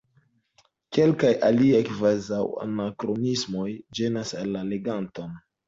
Kelkaj aliaj kvazaŭanakronismoj ĝenas la leganton.